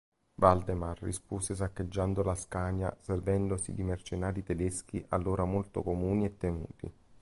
Valdemar rispose saccheggiando la Scania servendosi di mercenari tedeschi, allora molto comuni e temuti.